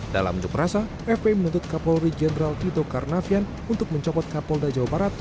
dalam unjuk rasa fpi menuntut kapolri jenderal tito karnavian untuk mencopot kapolda jawa barat